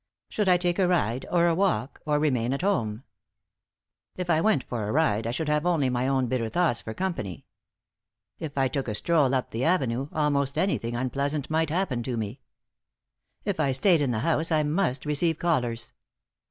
Should I take a ride or a walk, or remain at home? If I went out for a ride, I should have only my own bitter thoughts for company. If I took a stroll up the Avenue, almost anything unpleasant might happen to me. If I stayed in the house, I must receive callers.